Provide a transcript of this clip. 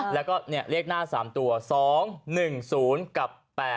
แล้วก็เลขหน้า๓ตัว๒๑๐กับ๘